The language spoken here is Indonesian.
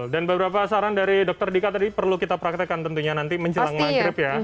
dan beberapa saran dari dokter dika tadi perlu kita praktekkan tentunya nanti menjelang maghrib ya